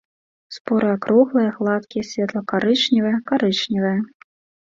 Споры акруглыя, гладкія, светла-карычневыя, карычневыя.